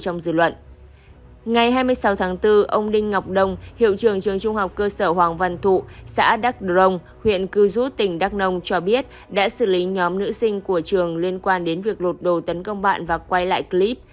ngày hai mươi sáu tháng bốn ông đinh ngọc đông hiệu trường trường trung học cơ sở hoàng văn thụ xã đắk drong huyện cư rút tỉnh đắk nông cho biết đã xử lý nhóm nữ sinh của trường liên quan đến việc lột đồ tấn công bạn và quay lại clip